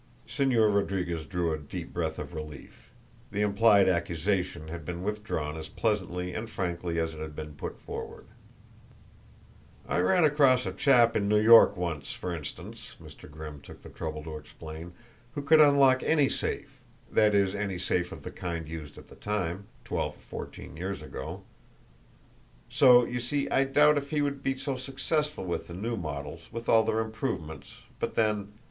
Señor Rodriguez drew a deep breath of relief. The implied accusation had been withdrawn as pleasantly and frankly as it had been put forward. "I ran across a chap in New York once, for instance," Mr. Grimm took the trouble to explain, "who could unlock any safe that is, any safe of the kind used at that time twelve or fourteen years ago. So you see. I doubt if he would be so successful with the new models, with all their improvements, but then